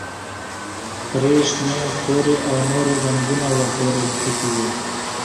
سرې، شنې، تورې او نورې رنګونه ور پورې نښتي وو.